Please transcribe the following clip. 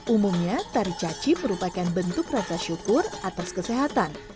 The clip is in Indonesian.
umumnya tari caci merupakan bentuk rasa syukur atas kesehatan